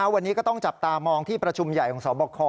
วันนี้ก็ต้องจับตามองที่ประชุมใหญ่ของสอบคอ